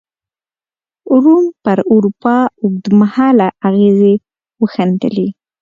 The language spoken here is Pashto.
روم پر اروپا اوږد مهاله اغېزې وښندلې.